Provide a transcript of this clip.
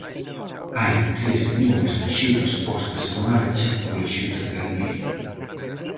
Hai tres liñas de axudas postas en marcha pola Xunta de Galicia.